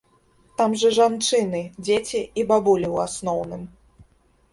Там жа жанчыны, дзеці і бабулі ў асноўным.